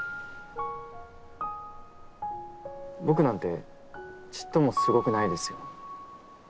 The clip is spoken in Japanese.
僕なんてちっともすごくないですよ。